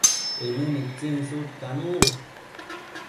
ënë nitsin sudcanun